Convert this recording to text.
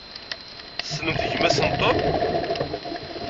Tessnemt gma-s n Tom?